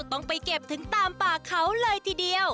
ต้องไปเก็บถึงตามป่าเขาเลยทีเดียว